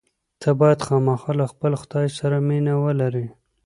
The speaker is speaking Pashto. ته باید خامخا له خپل خدای سره مینه ولرې.